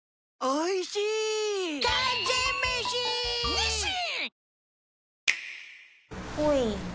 ニッシン！